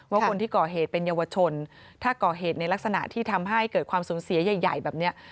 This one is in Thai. ว่าคนที่ก่อเหตุเป็นเยาวชนถ้าก่อเหตุในลักษณะที่ทำให้เกิดความสูญเสียใหญ่แบบนี้